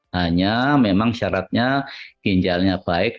hanya memang syaratnya ginjalnya baik